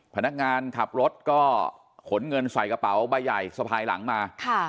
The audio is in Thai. พนักงานขับรถก็ขนเงินใส่กระเป๋าใบใหญ่สะพายหลังมา